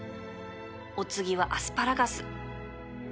お次はアスパラガス